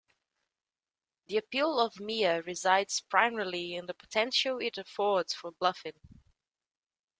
The appeal of Mia resides primarily in the potential it affords for bluffing.